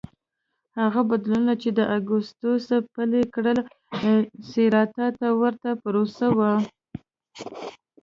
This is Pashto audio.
هغه بدلونونه چې اګوستوس پلي کړل سېراتا ته ورته پروسه وه